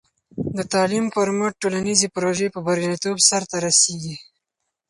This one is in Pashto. د تعلیم پر مټ، ټولنیزې پروژې په بریالیتوب سرته رسېږي.